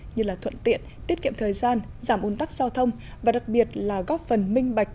như thuận tiện tiết kiệm thời gian giảm un tắc giao thông và đặc biệt là góp phần minh bạch